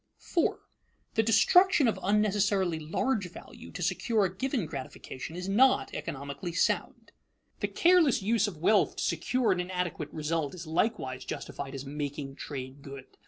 [Sidenote: The wasteful use of wealth] 4. The destruction of unnecessarily large value to secure a given gratification is not economically sound. The careless use of wealth to secure an inadequate result is likewise justified as "making trade good."